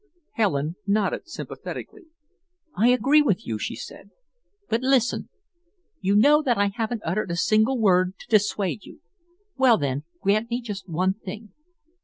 Helen nodded sympathetically. "I agree with you," she said, "but listen. You know that I haven't uttered a single word to dissuade you. Well, then, grant me just one thing.